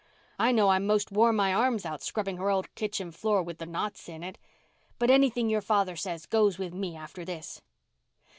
I know I 'most wore my arms out scrubbing her old kitchen floor with the knots in it. But anything your father says goes with me after this."